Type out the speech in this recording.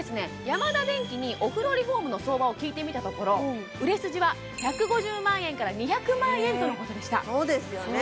ヤマダデンキにお風呂リフォームの相場を聞いてみたところ売れ筋は１５０万円から２００万円とのことでしたそうですよね